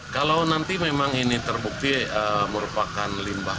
kalau nanti memang ini terbukti merupakan limbah